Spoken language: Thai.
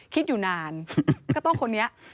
คิดอยู่นานก็ต้องคนนี้